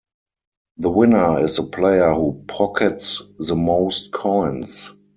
The winner is the player who pockets the most coins.